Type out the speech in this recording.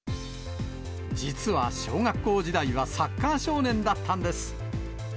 実は、小学校時代はサッカー少年だったんです。